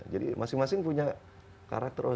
jadi masing masing punya karakter